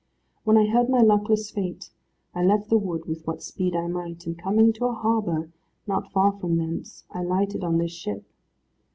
When I heard my luckless fate I left the wood with what speed I might, and coming to a harbour, not far from thence, I lighted on this ship.